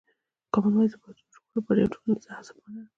کامن وایس د پښتو د ژغورلو لپاره یوه ټولنیزه هڅه ده.